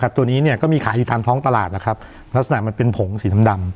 ตัวนี้เนี่ยก็มีขายอยู่ทางท้องตลาดนะครับลักษณะมันเป็นผงสีดำดำ